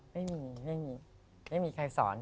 ไม่มีไม่มีใครสอน